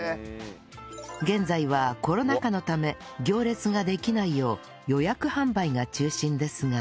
現在はコロナ禍のため行列ができないよう予約販売が中心ですが